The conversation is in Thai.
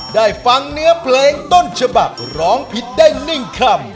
ได้ฟังเนื้อเพลงต้นฉบับร้องผิดได้๑คำ